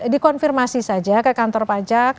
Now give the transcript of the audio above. lebih baik dikonfirmasi saja ke kantor pajak